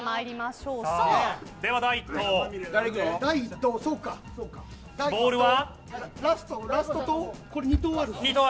第１投、ボールは。